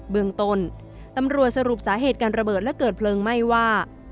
เมืองต้นตำรวจสรุปสาเหตุการระเบิดและเกิดเพลิงไหม้ว่า